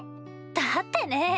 だってねぇ。